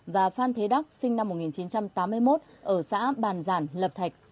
và phan thế đắc sinh năm một nghìn chín trăm tám mươi một ở xã bàn giản lập thạch